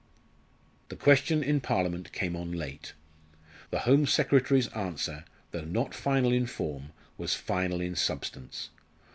The question in Parliament came on late. The Home Secretary's answer, though not final in form, was final in substance.